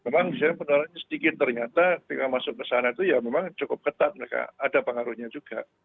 memang misalnya penularannya sedikit ternyata ketika masuk ke sana itu ya memang cukup ketat mereka ada pengaruhnya juga